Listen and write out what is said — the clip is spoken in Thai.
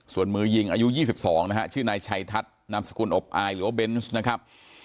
ส่วนมือยิงอายุ๒๒นะฮะชื่อนายชัยทัศน์นามสกุลอบอายหรือว่าเบนส์นะครับ